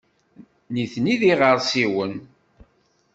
Nitni d iɣersiwen.